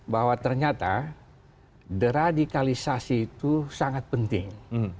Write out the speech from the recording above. bahwa ternyata deradikalisasi itu sangat penting